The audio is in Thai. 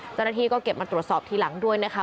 เจ้าหน้าที่ก็เก็บมาตรวจสอบทีหลังด้วยนะคะ